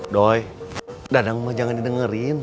doi dadangmu jangan didengarkan